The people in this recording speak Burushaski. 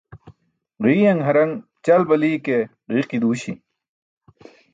Ġiiyaṅ haraṅ ćal bali ke ġiiki duuśi